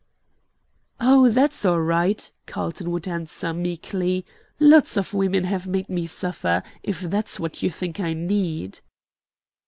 "Oh, that's all right," Carlton would answer, meekly. "Lots of women have made me suffer, if that's what you think I need."